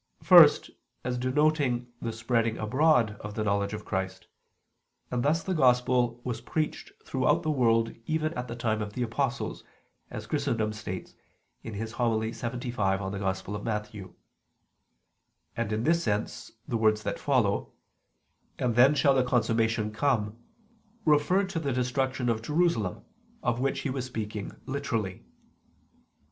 First, as denoting the spreading abroad of the knowledge of Christ: and thus the Gospel was preached throughout the world even at the time of the apostles, as Chrysostom states (Hom. lxxv in Matth.). And in this sense the words that follow "and then shall the consummation come," refer to the destruction of Jerusalem, of which He was speaking literally.